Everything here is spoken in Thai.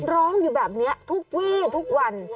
ร้องอยู่แบบนี้ทุกวี่ทุกวัน